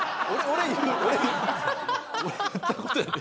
俺言ったことやで。